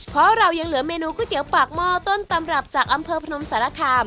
เพราะเรายังเหลือเมนูก๋วยเตี๋ยวปากหม้อต้นตำรับจากอำเภอพนมสารคาม